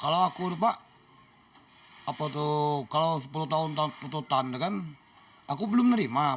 kalau aku bapak kalau sepuluh tahun penjara aku belum menerima